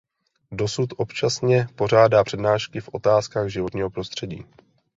Dosud občasně pořádá přednášky v otázkách životního prostředí.